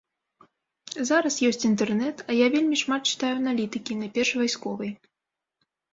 Зараз ёсць інтэрнэт, а я вельмі шмат чытаю аналітыкі, найперш вайсковай.